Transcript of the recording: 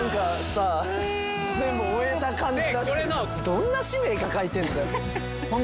どんな使命抱えてんだよ。